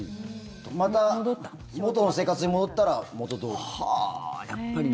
また元の生活に戻ったら元どおり。